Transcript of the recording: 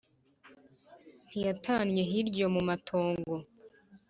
Ntiyatannye hirya iyo mu matongo.